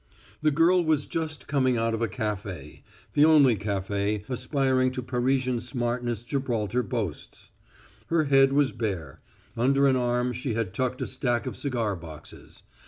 The girl was just coming out of a café the only café aspiring to Parisian smartness Gibraltar boasts. Her head was bare. Under an arm she had tucked a stack of cigar boxes.